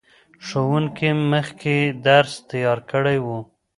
ښوونکي مخکې درس تیار کړی و.